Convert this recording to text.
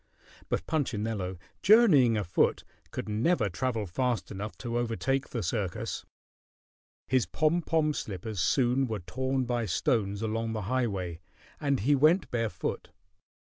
But Punchinello, journeying afoot, could never travel fast enough to overtake the circus. His pom pom slippers soon were torn by stones along the highway, and he went barefoot.